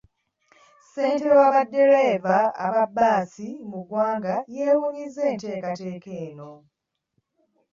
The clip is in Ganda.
Ssentebe wa baddereeva ba bbaasi mu ggwanga yeewuunyizza enteekateeka eno.